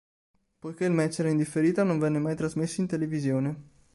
Poiché il match era in differita, non venne mai trasmesso in televisione.